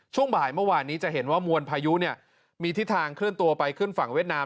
ช่วงบ่ายเมื่อวานนี้จะเห็นว่ามวลพายุเนี่ยมีทิศทางเคลื่อนตัวไปขึ้นฝั่งเวียดนาม